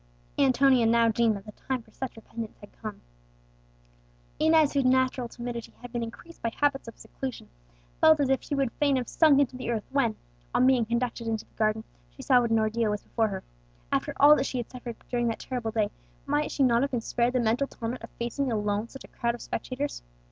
Antonia now deemed that the time for such repentance had come. Inez, whose natural timidity had been increased by habits of seclusion, felt as if she would fain have sunk into the earth, when, on being conducted into the garden, she saw what an ordeal was before her. After all that she had suffered during that terrible day, might she not have been spared the mental torment of facing alone such a crowd of spectators!